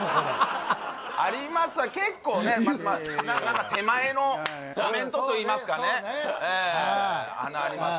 ありますが結構ね何か手前のコメントといいますかね「鼻あります？」